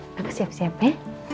iya aku siap siap ya